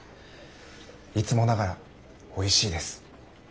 いつもながらおいしいです。